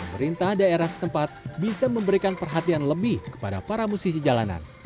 perintah daerah setempat bisa memberikan perhatian lebih kepada para musisi jalanan